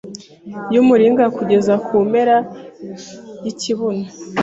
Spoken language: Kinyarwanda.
Yumuringa kugeza kumpera yikibuno